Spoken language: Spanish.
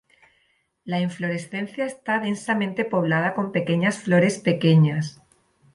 La inflorescencia está densamente poblada con numerosas flores pequeñas.